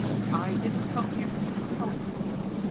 "I didn't come here to be insulted."